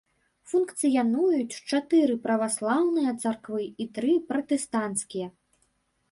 Функцыянуюць чатыры праваслаўныя царквы і тры пратэстанцкія.